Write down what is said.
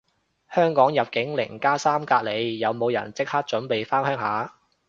香港入境零加三隔離，有冇人即刻準備返鄉下